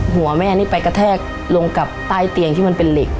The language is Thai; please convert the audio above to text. หัวแม่นี่ไปกระแทกลงกับใต้เตียงที่มันเป็นเหล็ก